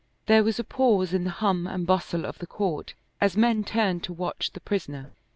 There was a pause in the hum and bustle of the court as men turned to watch the prisoner.